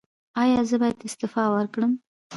ایا زه باید استعفا ورکړم؟